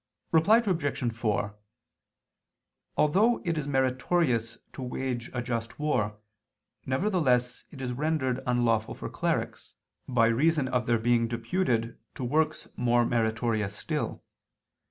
Reply Obj. 4: Although it is meritorious to wage a just war, nevertheless it is rendered unlawful for clerics, by reason of their being deputed to works more meritorious still.